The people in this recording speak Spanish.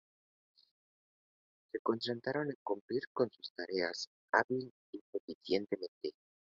Se concentran en cumplir con sus tareas hábil y eficientemente.